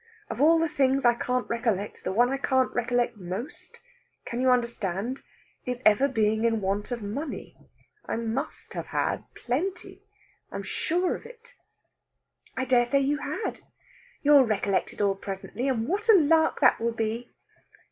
of all the things I can't recollect, the one I can't recollect most can you understand? is ever being in want of money. I must have had plenty. I am sure of it." "I dare say you had. You'll recollect it all presently, and what a lark that will be!"